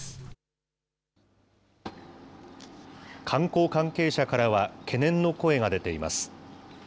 観光関係者からは懸念の声が出ています。